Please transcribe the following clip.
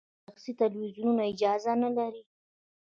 آیا شخصي تلویزیونونه اجازه نلري؟